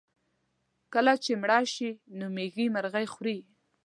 کله چې مړه شي نو مېږي مرغۍ خوري.